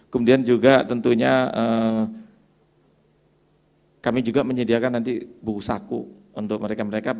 kemudian juga tentunya kami juga menyediakan nanti buku saku untuk mereka mereka